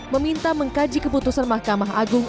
meminta mengkaji keputusan mahkamah agung